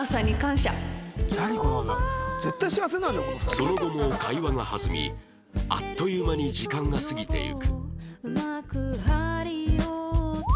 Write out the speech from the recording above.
その後も会話が弾みあっという間に時間が過ぎていく